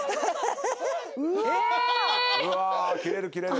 うわ切れる切れる。